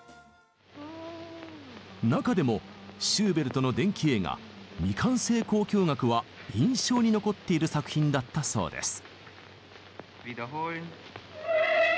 中でもシューベルトの伝記映画「未完成交響楽」は印象に残っている作品だったそうです。